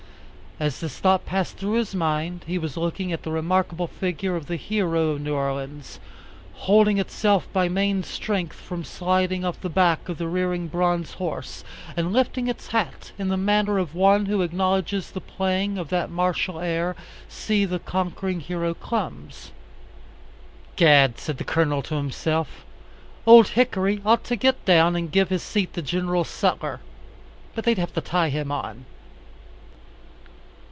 As this thought passed through his mind he was looking at the remarkable figure of the Hero of New Orleans, holding itself by main strength from sliding off the back of the rearing bronze horse, and lifting its hat in the manner of one who acknowledges the playing of that martial air: "See, the Conquering Hero Comes!" "Gad," said the Colonel to himself, "Old Hickory ought to get down and give his seat to Gen. Sutler but they'd have to tie him on."